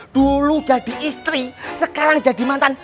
dulu jadi istri sekarang jadi mantan